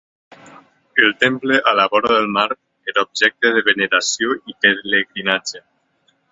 El temple, a la vora del mar, era objecte de veneració i pelegrinatge.